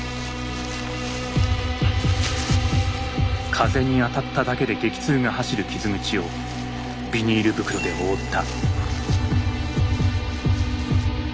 風に当たっただけで激痛が走る傷口をビニール袋で覆った。